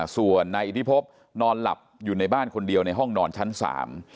ส่วนนายอิทธิพบนอนหลับอยู่ในบ้านคนเดียวในห้องนอนชั้นสาม